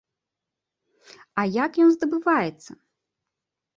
А як ён здабываецца?